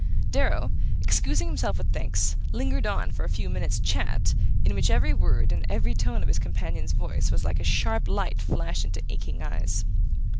Darrow, excusing himself with thanks, lingered on for a few minutes' chat, in which every word, and every tone of his companion's voice, was like a sharp light flashed into aching eyes.